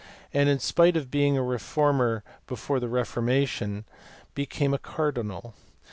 and in spite of being "a reformer before the reformation" became a cardinal.